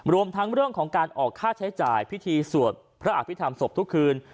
รวมทั้งเรื่องของการออกค่าใช้จ่ายพิธีสวดพระอภิษฐรรมศพทุกคืน